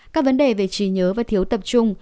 các vấn đề về trí nhớ và thiếu tập trung